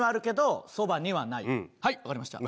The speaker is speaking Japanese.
はいわかりましたね。